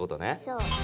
そう。